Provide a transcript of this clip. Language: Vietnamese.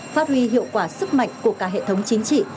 phát huy hiệu quả sức mạnh của cả hệ thống chính trị